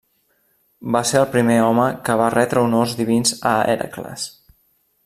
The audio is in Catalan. Va ser el primer home que va retre honors divins a Hèracles.